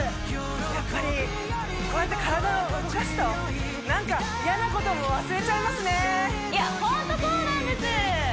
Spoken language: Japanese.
やっぱりこうやって体を動かすとなんか嫌なことも忘れちゃいますねいやホントそうなんです